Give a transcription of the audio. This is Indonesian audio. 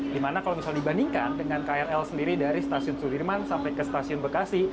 dimana kalau misal dibandingkan dengan krl sendiri dari stasiun sudirman sampai ke stasiun bekasi